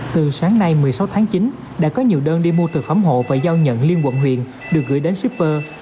từ sáng nay một mươi sáu tháng chín đã có nhiều đơn đi mua thực phẩm hộ và giao nhận liên quận huyện được gửi đến shipper